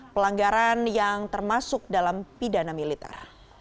pelanggaran yang termasuk dalam pidana militer